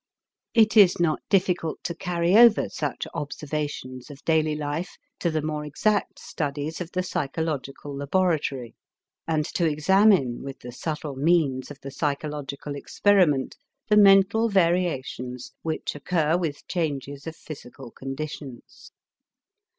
It is not difficult to carry over such observations of daily life to the more exact studies of the psychological laboratory and to examine with the subtle means of the psychological experiment the mental variations which occur with changes of physical conditions.